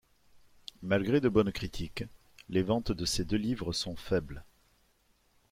Malgré de bonnes critiques, les ventes de ces deux livres sont faibles.